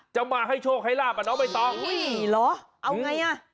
จะมาให้โชคให้ลาบอ่ะน้องใบตองอุ้ยเหรอเอาไงอ่ะ